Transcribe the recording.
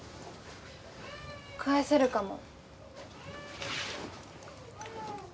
返せるかも。